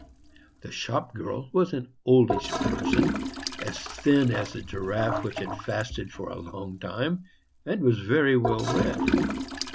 The shop girl was an oldish person, as thin as a giraffe which had fasted for a long time, and was very well read.